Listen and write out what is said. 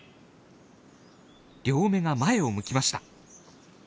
両目が前を向きました。